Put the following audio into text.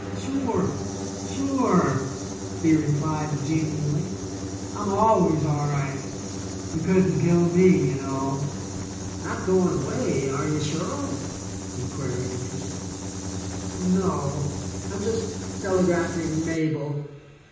"Sure, sure," he replied genially; "I'm always all right. You couldn't kill me, you know. Not going away, are you, Shirl ?" he queried interestedly. "No; Vm just telegraphing to Mabel.